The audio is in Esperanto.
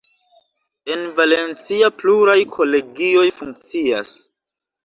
En Valencia pluraj kolegioj funkcias.